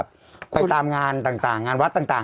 ไปตามงานต่างงานวัดต่าง